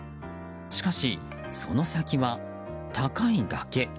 しかし、その先は高い崖。